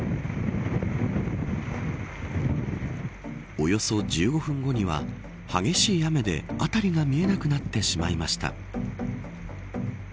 およそ１５分後には激しい雨で、辺りが見えなくなってしまいました。